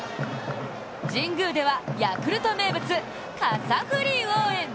神宮では、ヤクルト名物傘振り応援。